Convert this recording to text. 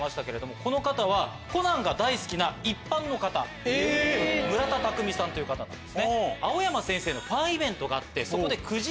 この方『コナン』が大好きな一般の方村田匠さんという方です。